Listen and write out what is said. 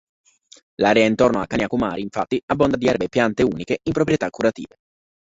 L'area intorno a Kanyakumari, infatti, abbonda di erbe e piante uniche in proprietà curative.